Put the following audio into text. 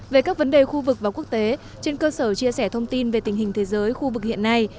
về các vấn đề khu vực và quốc tế trên cơ sở chia sẻ thông tin về tình hình thế giới khu vực hiện nay